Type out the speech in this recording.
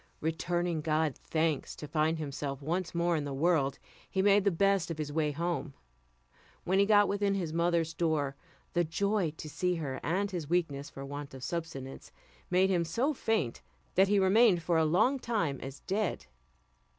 Returning God thanks to find himself once more in the world, he made the best of his way home. When he got within his mother's door, the joy to see her and his weakness for want of sustenance made him so faint that he remained for a long time as dead.